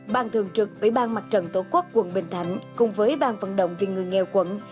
ban thường trực ủy ban mặt trận tổ quốc quận bình thạnh cùng với ban vận động viên người nghèo quận